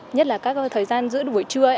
nhất là các thời gian giữa buổi trưa